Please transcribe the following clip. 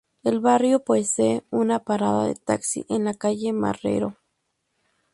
El barrio posee una parada de taxi en la calle Marrero.